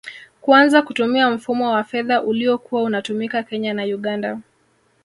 Kuanza kutumia mfumo wa fedha uliokuwa unatumika Kenya na Uganda